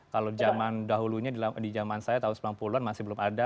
kalau zaman dahulunya di zaman saya tahun sembilan puluh an masih belum ada